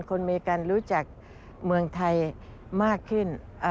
อเมริกันรู้จักเมืองไทยมากขึ้น